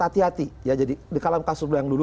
hati hati jadi di kalam kasus yang dulu